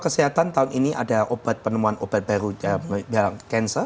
kesehatan tahun ini ada obat penemuan obat baru dan beri berlangganan cancer